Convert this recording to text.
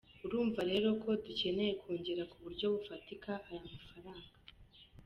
Urumva rero ko dukeneye kongera ku buryo bufatika aya mafaranga.